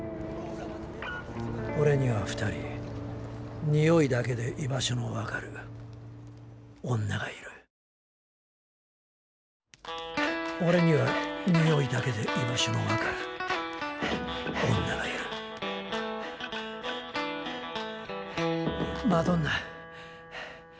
オレには２人においだけで居場所の分かる女がいるオレにはにおいだけで居場所の分かる女がいるマドンナハァハァ。